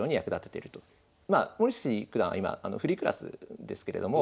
まあ森内九段は今フリークラスですけれども。